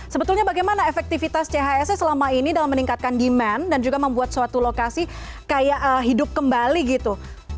sebetulnya bagaimana efektivitas chse selama ini dalam meningkatkan demand dan juga membuat suatu lokasi kayak hidup kembali gitu